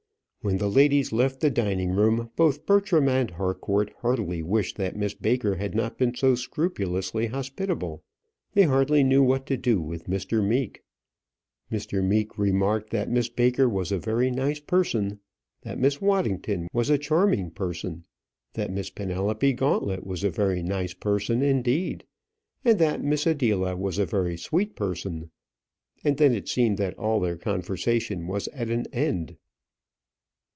When the ladies left the dining room, both Bertram and Harcourt heartily wished that Miss Baker had not been so scrupulously hospitable. They hardly knew what to do with Mr. Meek. Mr. Meek remarked that Miss Baker was a very nice person, that Miss Waddington was a charming person, that Miss Penelope Gauntlet was a very nice person indeed, and that Miss Adela was a very sweet person; and then it seemed that all conversation was at end.